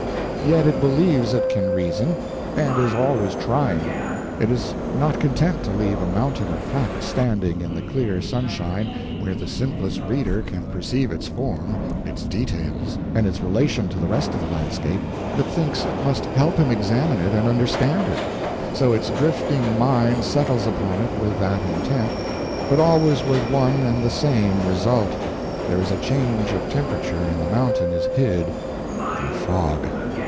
Yet it believes it can reason, and is always trying. It is not content to leave a mountain of fact standing in the clear sunshine, where the simplest reader can perceive its form, its details, and its relation to the rest of the landscape, but thinks it must help him examine it and understand it; so its drifting mind settles upon it with that intent, but always with one and the same result: there is a change of temperature and the mountain is hid in a fog.